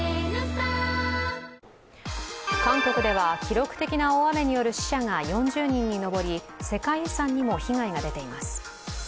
韓国では記録的な大雨による死者が４０人にのぼり世界遺産にも被害が出ています。